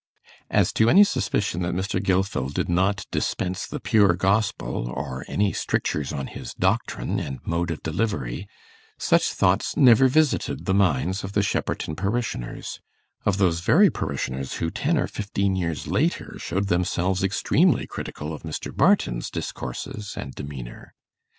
As to any suspicion that Mr. Gilfil did not dispense the pure Gospel, or any strictures on his doctrine and mode of delivery, such thoughts never visited the minds of the Shepperton parishioners of those very parishioners who, ten or fifteen years later, showed themselves extremely critical of Mr. Barton's discourses and demeanour.